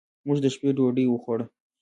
موږ د شپې ډوډۍ وخوړه.